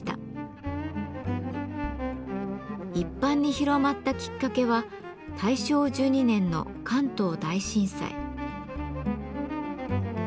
一般に広まったきっかけは大正１２年の関東大震災。